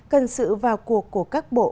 cần sự vào cuộc của các bộ